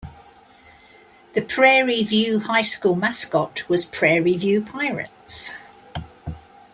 The Prairie View High School mascot was Prairie View Pirates.